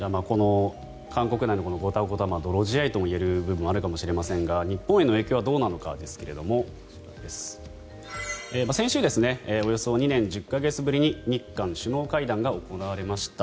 韓国の、このごたごた泥仕合といえる部分もあるかもしれませんが日本への影響はどうなのかですが先週、およそ２年１０か月ぶりに日韓首脳会談が行われました。